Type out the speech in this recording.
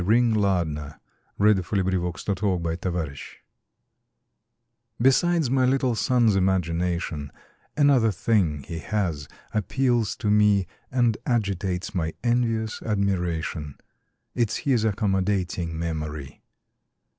HIS MEMORY Besides my little son's imagination, Another thing he has appeals to me And agitates my envious admiration It's his accommodating memory.